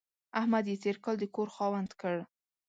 احمد يې تېر کال د کور خاوند کړ.